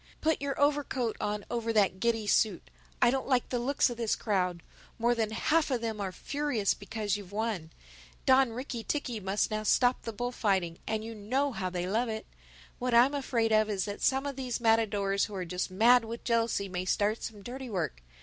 Put your overcoat on over that giddy suit. I don't like the looks of this crowd. More than half of them are furious because you've won. Don Ricky ticky must now stop the bullfighting—and you know how they love it. What I'm afraid of is that some of these matadors who are just mad with jealousy may start some dirty work.